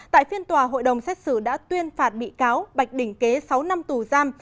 tại phiên tòa hội đồng xét xử đã tuyên phạt bị cáo bạch đình kế sáu năm tù giam